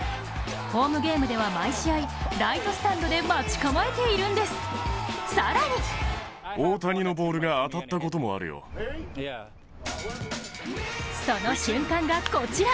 ホームゲームでは毎試合、ライトスタンドで待ち構えているんです、更にその瞬間がこちら。